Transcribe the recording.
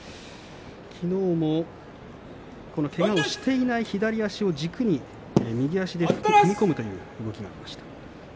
きのうもけがをしていないで左足を軸に右足で踏み込むという動きを見せました。